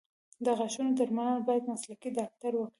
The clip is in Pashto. د غاښونو درملنه باید مسلکي ډاکټر وکړي.